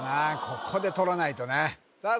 ここで取らないとねさあ